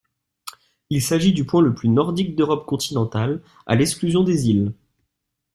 Il s'agit du point le plus nordique d'Europe continentale, à l'exclusion des îles.